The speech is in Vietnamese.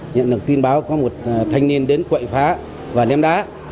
nhận được tin báo có một thanh niên đến quậy phá và ném đá